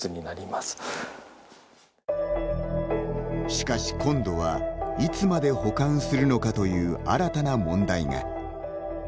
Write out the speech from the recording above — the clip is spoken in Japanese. しかし今度はいつまで保管するのかという新たな問題が。